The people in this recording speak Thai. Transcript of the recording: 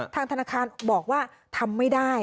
ทางธนาคารบอกว่าทำไม่ได้